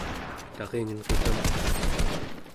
taringenritamken